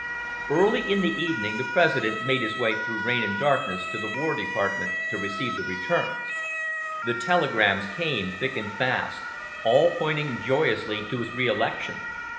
'" Early in the evening the President made his way through rain and darkness to the War Department to receive the returns. The telegrams came, thick and fast, all pointing joyously to his reelection.